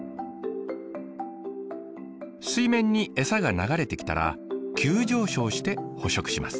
水面に餌が流れてきたら急上昇して捕食します。